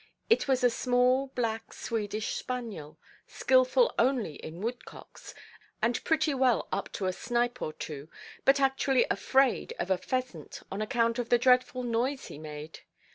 It was a small black Swedish spaniel, skilful only in woodcocks, and pretty well up to a snipe or two, but actually afraid of a pheasant on account of the dreadful noise he made.